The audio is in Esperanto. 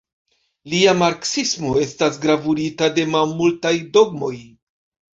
Lia marksismo estas gravurita de malmultaj dogmoj.